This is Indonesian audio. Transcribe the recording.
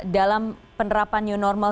dalam penerapan new normal